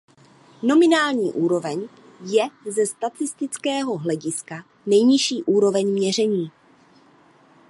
Nominální úroveň je ze statistického hlediska nejnižší úroveň měření.